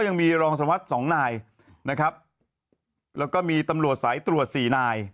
ยังมีรองสวัสดิ์สองนายนะครับแล้วก็มีตำรวจสายตรวจสี่นาย